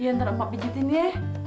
iya ntar emak pijetin dia